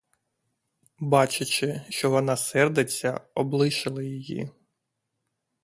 Бачачи, що вона сердиться, облишили її.